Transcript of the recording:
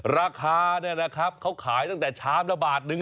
ราคาเนี่ยนะครับเขาขายตั้งแต่ชามละบาทนึง